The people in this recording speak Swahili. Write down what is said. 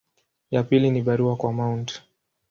Ya pili ni barua kwa Mt.